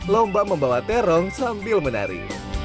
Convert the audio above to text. lomba membawa terong sambil menari